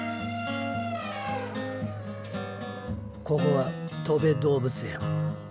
ここはとべ動物園。